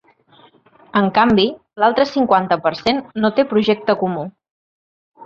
En canvi, l’altre cinquanta per cent no té projecte comú.